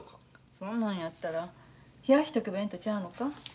そんなんやったら冷やしとけばええんとちゃうのか。